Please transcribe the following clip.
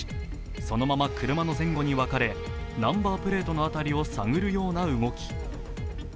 そのまま車の前後に別れ、ナンバープレートの辺りを探るような動き。